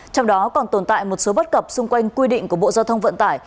trong đó còn tồn tại một số bất cập xung quanh quy định của bộ giao thông vận tải